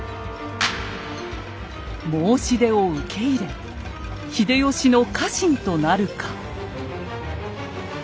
申し出を受け入れ秀吉の家臣となるか。